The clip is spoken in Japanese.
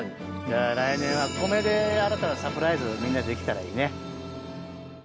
来年は米で新たなサプライズみんなでできたらいいね。